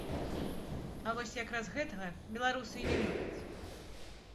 А вось якраз гэтага беларусы і не любяць.